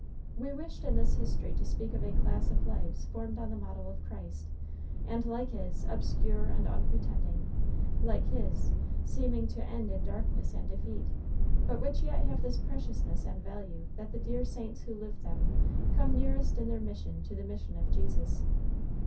We wished in this history to speak of a class of lives formed on the model of Christ, and like his, obscure and unpretending, like his, seeming to end in darkness and defeat, but which yet have this preciousness and value that the dear saints who live them come nearest in their mission to the mission of Jesus.